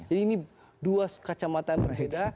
jadi ini dua kacamata yang berbeda